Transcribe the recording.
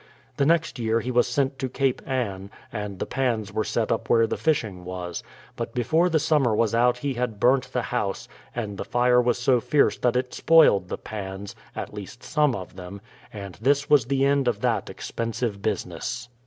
The next year he was sent to Cape Ann, and the pans were set up where the fishing was ; but before the summer was out he had burnt the house, and the fire was so fierce that it spoiled the pans, — at least some of them; and this was the end of that expensive business.